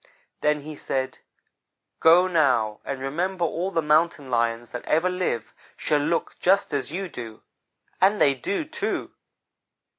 Then he said, 'go now, and remember all the Mountain lions that ever live shall look just as you do.' And they do, too!